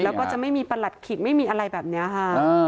แล้วก็จะไม่มีประหลัดขิกไม่มีอะไรแบบนี้ค่ะ